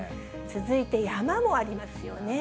続いて、山もありますよね。